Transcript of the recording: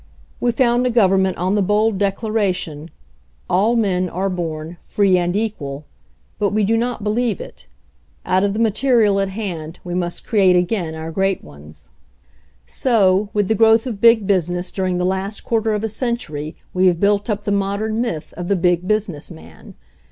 We found a government on the bold declaration, "All men are born free and equal," but we do not believe it. Out of the material at hand we must create again our great ones. FOREWORD v So, with the growth of Big Business during the last quarter of a century, we have built up the modern myth of the Big Business Man.